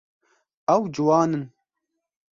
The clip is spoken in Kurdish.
Ew ciwan in.